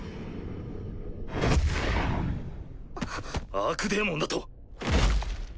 アークデーモンだと？